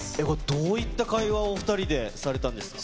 どういった会話をお２人でされたんですか？